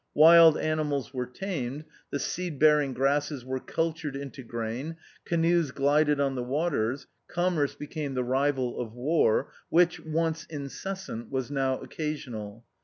"Wild animals were tamed, the seed bearing grasses were cultured into grain, canoes glided on the Avaters, commerce became the rival of war, which, once incessant, was now occa sional.